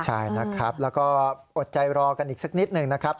ใช่นะครับแล้วก็อดใจรอกันอีกสักนิดหนึ่งนะครับ